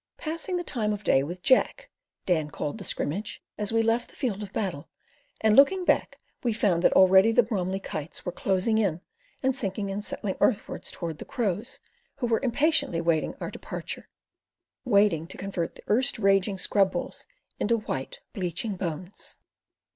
"Passing the time of day with Jack," Dan called the scrimmage; as we left the field of battle and looking back we found that already the Bromli kites were closing in and sinking and settling earthwards towards the crows who were impatiently waiting our departure—waiting to convert the erst raging scrub bulls into white, bleaching bones.